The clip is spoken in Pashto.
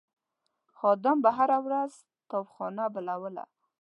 خادم به هره ورځ تاوخانه بلوله.